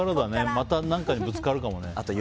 また何かにぶつかるだろうね